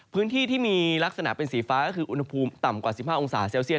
พื้นที่ที่มีลักษณะเป็นสีฟ้าก็คืออุณหภูมิต่ำกว่า๑๕องศาเซลเซียต